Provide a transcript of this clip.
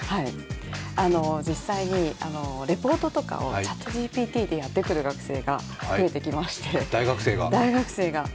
実際にレポートとかをＣｈａｔＧＰＴでやってくる学生が増えてきまして、大学生が。